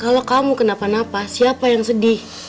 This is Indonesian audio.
kalau kamu kenapa napa siapa yang sedih